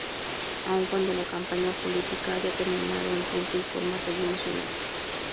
Aun cuando la campaña política haya terminado en tiempo y forma seguimos en ella.